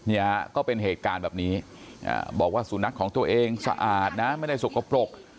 เนี่ยก็เป็นเหตุการณ์แบบนี้บอกว่าสุนัขของตัวเองสะอาดนะไม่ได้สกปรก